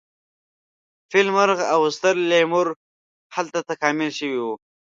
فیل مرغ او ستر لیمور هلته تکامل شوي وو.